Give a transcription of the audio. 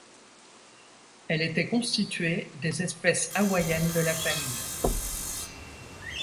Elle était constituée des espèces hawaïennes de la famille.